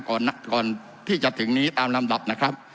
ก่อนที่จะถึงนี้ตามลำดับนะครับ